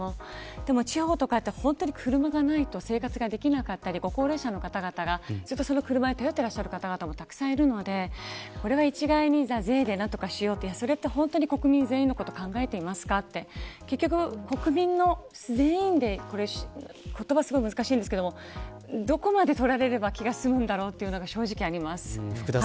でも地方とかって、車がないと生活ができなかったり高齢者の方々が車に頼っていらっしゃる方々もたくさんいるのでこれは、一概に税で何とかしようってそれって本当に国民全員のことを考えていますかって結局、国民全員で言葉がすごい難しいんですけどもどこまで取られれば気が済むんだろう福田